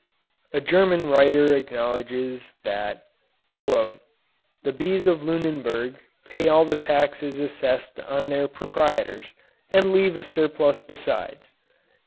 A German writer alleges that "the bees of Lunenburg, pay all the taxes assessed on their proprietors, and leave a surplus besides."